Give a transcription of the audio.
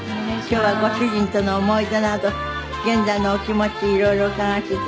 今日はご主人との思い出など現在のお気持ち色々伺わせて頂きます。